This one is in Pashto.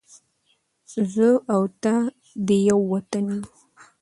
زه او ته دې ېو وطن ېو